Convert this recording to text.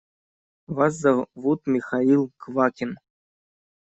Вас зовут Михаил Квакин.